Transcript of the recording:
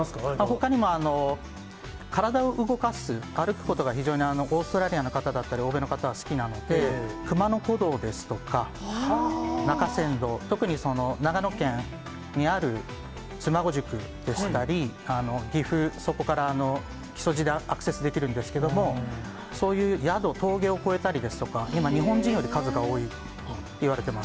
ほかにも、体を動かす、歩くことが非常に、オーストラリアの方だったり、欧米の方は好きなので、熊野古道ですとか、中山道、特に長野県にあるつまご宿でしたり、岐阜、そこから木曽路でアクセスできるんですけど、そういう宿、峠を越えたりですとか、今、日本人より数が多いといわれてます。